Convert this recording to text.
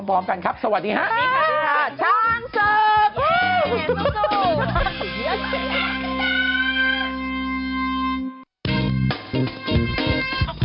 โปรดติดตามตอนต่อไป